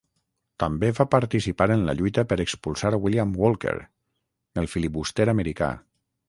També va participar en la lluita per expulsar William Walker, el filibuster americà.